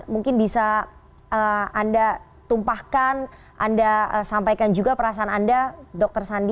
mungkin bisa anda tumpahkan anda sampaikan juga perasaan anda dr sandi